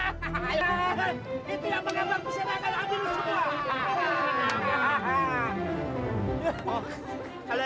itu yang mengambilkan